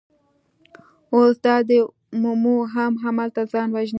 اوس دا دی مومو هم هملته ځان وژني.